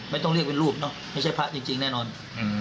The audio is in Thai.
ไม่ต้องเรียกเป็นรูปเนอะไม่ใช่พระจริงแน่นอน